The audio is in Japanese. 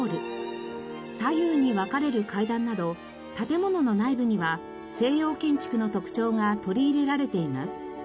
左右に分かれる階段など建物の内部には西洋建築の特徴が取り入れられています。